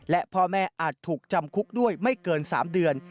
และพ่อแม่อาจถูกจำคุกด้วยไม่เกิน๓เดือน